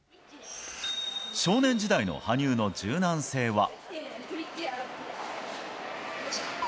少年時代の羽生の柔軟性は。